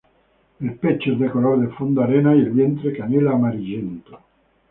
El pecho es de color de fondo arena y el vientre canela amarillento.